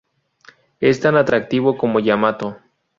Es tan atractivo como Yamato.